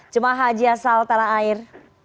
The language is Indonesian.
jemaah haji asal tanah air